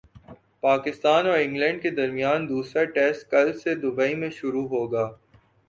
پاکستان اور انگلینڈ کے درمیان دوسرا ٹیسٹ کل سے دبئی میں شروع ہوگا